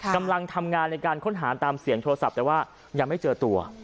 กำลังทำงานในการค้นหาตามเสียงโทรศัพท์แต่ว่ายังไม่เจอตัว